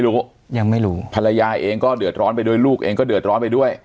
ยังไม่รู้ภรรยาเองก็เดือดร้อนไปด้วยลูกเองก็เดือดร้อนไปด้วย